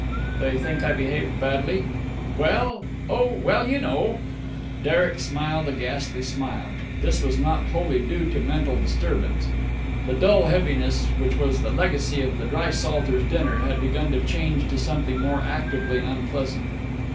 "They think I behaved badly?" "Well.... Oh, well, you know!" Derek smiled a ghastly smile. This was not wholly due to mental disturbance. The dull heaviness which was the legacy of the Dry Salters' dinner had begun to change to something more actively unpleasant.